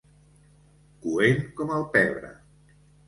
Coent com el pebre.